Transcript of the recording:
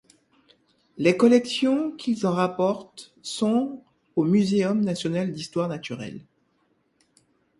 Les collections qu'il en rapporte sont au Muséum national d'histoire naturelle.